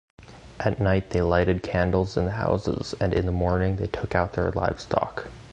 At night they lighted candles in the houses, and in the morning they took out their livestock.